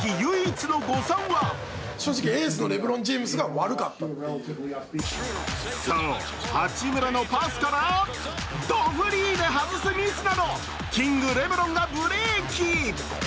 しかしこの日、唯一の誤算はそう、八村のパスからドフリーで外すミスなどキング・レブロンがブレーキ。